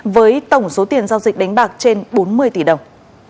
với tổng số tiền giao dịch đánh bạc trên bốn mươi tỷ đồng